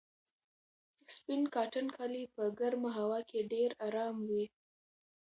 سپین کاټن کالي په ګرمه هوا کې ډېر ارام وي.